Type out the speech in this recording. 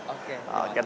oke terima kasih